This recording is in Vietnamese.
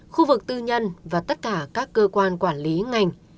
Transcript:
khu vực tư nhân và tất cả các cơ quan quản lý ngành